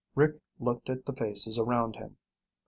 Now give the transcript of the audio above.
Rick looked at the faces around him.